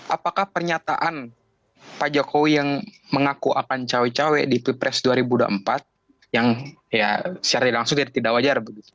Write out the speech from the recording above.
apakah pernyataan pak jokowi yang mengaku akan cawe cawe di pilpres dua ribu dua puluh empat yang secara langsung tidak wajar begitu